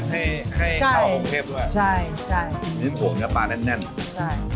ให้ช่าเค็มด้วยใช่ใช่นี่ผมเนี้ยปลาแน่นแน่นใช่